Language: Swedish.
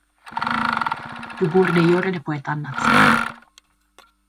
Du borde göra det på ett annat sätt.